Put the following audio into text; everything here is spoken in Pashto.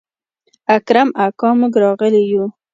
اکرم اکا موږ راغلي يو.